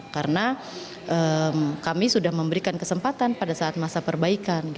karena kami sudah memberikan kesempatan pada saat masa perbaikan